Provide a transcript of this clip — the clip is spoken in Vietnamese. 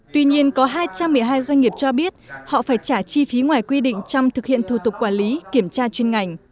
tuy nhiên có hai trăm một mươi hai doanh nghiệp cho biết họ phải trả chi phí ngoài quy định trong thực hiện thủ tục quản lý kiểm tra chuyên ngành